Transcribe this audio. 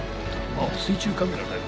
「あっ水中カメラだよ」